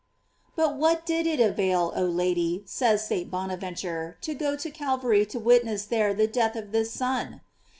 "* But what did it avail, oh Lady, says St. Bonaventurc, to go to Calvary to witness there the death of this Son?